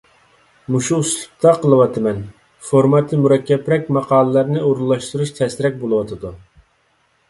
مۇشۇ ئۇسلۇبتا قىلىۋاتىمەن. فورماتى مۇرەككەپرەك ماقالىلەرنى ئورۇنلاشتۇرۇش تەسرەك بولۇۋاتىدۇ.